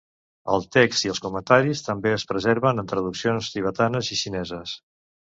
El text i els comentaris també es preserven en traduccions tibetanes i xineses.